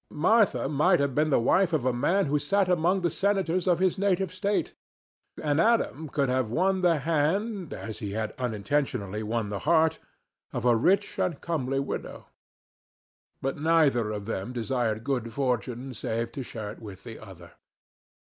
Martha might have been the wife of a man who sat among the senators of his native State, and Adam could have won the hand, as he had unintentionally won the heart, of a rich and comely widow. But neither of them desired good fortune save to share it with the other.